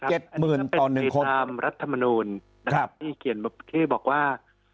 อันนี้เป็นตรีตามรัฐมนูลที่บอกว่า